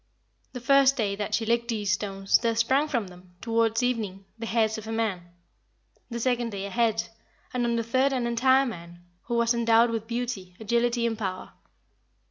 The first day that she licked these stones there sprang from them, towards evening, the hairs of a man, the second day a head, and on the third an entire man, who was endowed with beauty, agility and power.